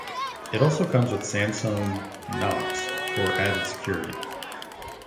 It also comes with Samsung Knox for added security.